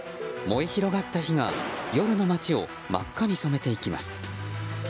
燃え広がった火が夜の街を真っ赤に染めていきます。